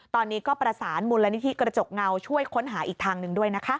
ตอนนี้ก็ประสานมูลนิธิกระจกเงาช่วยค้นหาอีกทางหนึ่งด้วยนะคะ